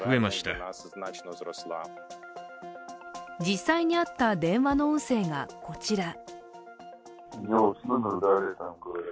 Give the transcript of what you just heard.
実際にあった電話の音声がこちら。